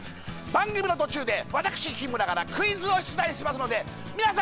番組の途中で私日村からクイズを出題しますのでみなさん